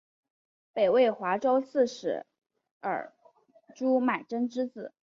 北魏华州刺史尔朱买珍之子。